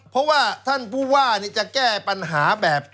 เพราะว่าท่านผู้ว่าจะแก้ปัญหาแบบ